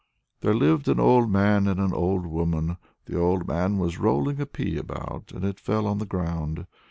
"There lived an old man and an old woman; the old man was rolling a pea about, and it fell on the ground.